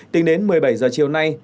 tính đến một mươi bảy giờ chiều nay